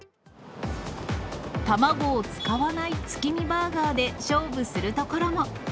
卵を使わない月見バーガーで勝負する所も。